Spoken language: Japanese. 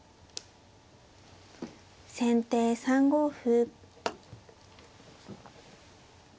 先手３五歩。